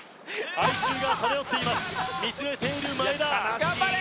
哀愁が漂っています見つめている真栄田頑張れ！